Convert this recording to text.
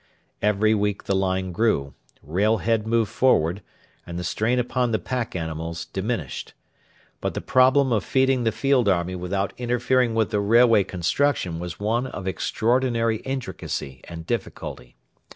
Every week the line grew, Railhead moved forward, and the strain upon the pack animals diminished. But the problem of feeding the field army without interfering with the railway construction was one of extraordinary intricacy and difficulty.